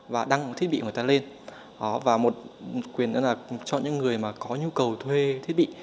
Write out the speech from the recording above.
và đăng một thiết bị của người ta lên và một quyền đó là cho những người mà có nhu cầu thuê thiết bị